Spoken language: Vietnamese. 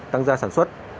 tăng gia sản xuất